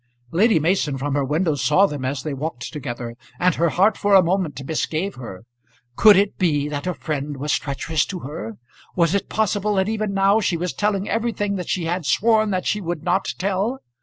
Lady Mason from her window saw them as they walked together, and her heart for a moment misgave her. Could it be that her friend was treacherous to her? Was it possible that even now she was telling everything that she had sworn that she would not tell?